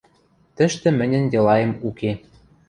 — Тӹштӹ мӹньӹн делаэм уке.